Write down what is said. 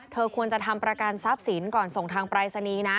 ควรจะทำประกันทรัพย์สินก่อนส่งทางปรายศนีย์นะ